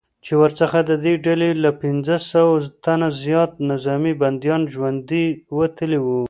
چې ورڅخه ددې ډلې له پنځه سوه تنه زیات نظامي بندیان ژوندي وتلي وو